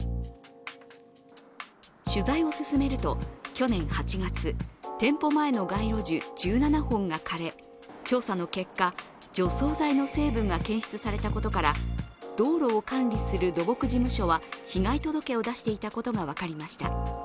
取材を進めると、去年８月、店舗前の街路樹１７本が枯れ調査の結果、除草剤の成分が検出されたことから道路を管理する土木事務所は被害届を出していたことが分かりました。